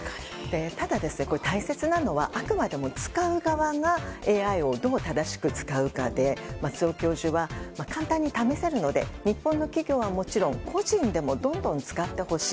ただ、大切なのはあくまでも使う側がＡＩをどう正しく使うかで松尾教授は、簡単に試せるので日本企業はもちろん、個人でもどんどん使ってほしい。